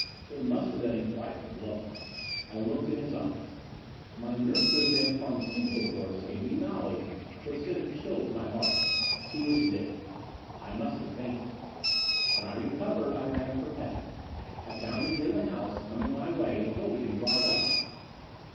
It must have been a frightful blow. I looked in his eyes. My nurse's and pharmaceutical course gave me knowledge which sent a chill to my heart. He was dead. I must have fainted. "When I recovered I ran for Peck. I found him near the house, coming my way and holding his right eye.